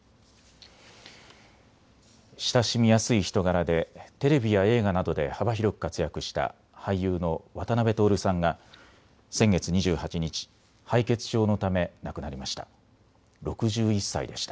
親しみやすい人柄でテレビや映画などで幅広く活躍した俳優の渡辺徹さんが先月２８日、敗血症のため亡くなりました。